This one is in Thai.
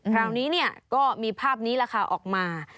คราวนี้ก็มีภาพนี้ราคาออกมา